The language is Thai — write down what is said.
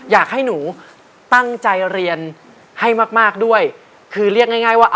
อยากให้หนูตั้งใจเรียนให้มากด้วย